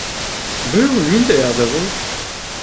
Был ниндәй аҙыҡ ул?